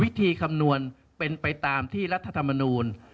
คำนวณเป็นไปตามที่รัฐธรรมนูล